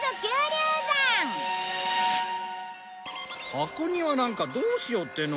箱庭なんかどうしようっての？